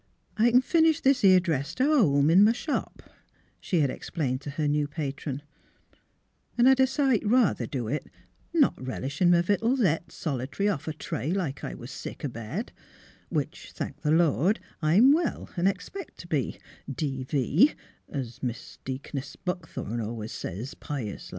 "I c'n finish this 'ere dress to home in m' shop," she had explained to her new patron. 200 THE HEART OF PHILURA ^' 'N' I'd a siglit rutlier do it, not relisliin' m' vittles et solitary off a tray, like I was sick a bed, wMch thank tli' Lord I'm well, 'n' expect t' be, D. V. — es Miss Deaconess Buckthorn always says pious.